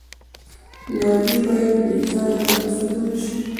لرګی باید بېځایه ونه سوځول شي.